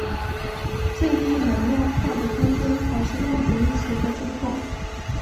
最低能量态的空间才是量子力学的真空。